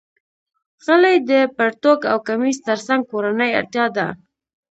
غلۍ د پرتوګ او کمیس تر څنګ کورنۍ اړتیا ده.